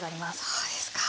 そうですか。